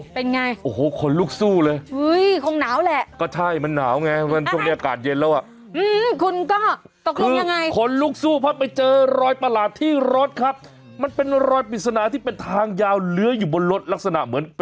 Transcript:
ถนาเท่ากำปั้นลอยวนไปวนมาอยู่แถวรถ